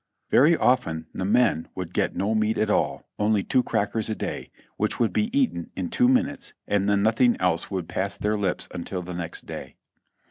Very often the men would get no meat at all, only two crackers a day, which would be eaten in two minutes, and then nothing else would pass their lips until the next day.